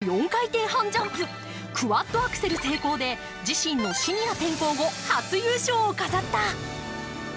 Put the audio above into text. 世界初、公式試合での４回転半ジャンプ、クアッドアクセル成功で、自身のシニア転向後初優勝を飾った。